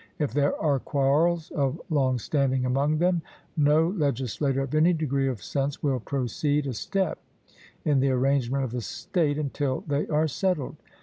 If there are quarrels of long standing among them, no legislator of any degree of sense will proceed a step in the arrangement of the state until they are settled.